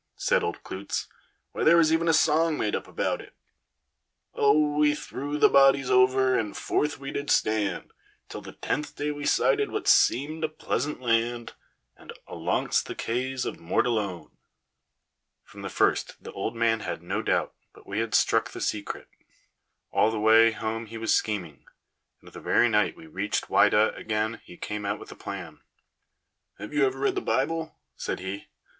said old Klootz. "Why, there was even a song made up about it "'O, we threw the bodies over, and forth we did stand Till the tenth day we sighted what seemed a pleasant land, And alongst the Kays of Mortallone!'" From the first the old man had no doubt but we had struck the secret. All the way home he was scheming, and the very night we reached Whydah again he came out with a plan. "Have you ever read your Bible?" said he.